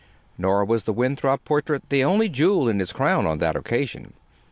Nor was the Winthrop portrait the only jewel in his crown on that occasion.